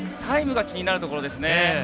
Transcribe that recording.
タイムが気になるところですね。